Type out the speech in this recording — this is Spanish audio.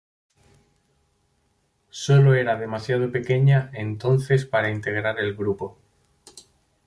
Sole era demasiado pequeña entonces para integrar el grupo.